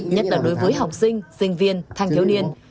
nhất là đối với học sinh sinh viên thanh thiếu niên